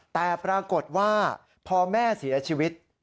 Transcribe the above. แต่ปรากฏว่าพอแม่เสียชีวิต